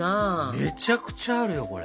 めちゃくちゃあるよこれ。